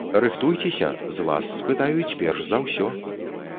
Рыхтуйцеся, з вас спытаюць перш за ўсё.